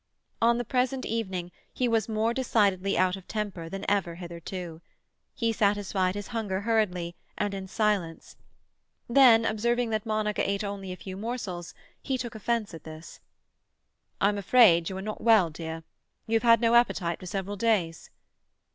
On the present evening he was more decidedly out of temper than ever hitherto. He satisfied his hunger hurriedly and in silence. Then, observing that Monica ate only a few morsels, he took offence at this. "I'm afraid you are not well, dear. You have had no appetite for several days."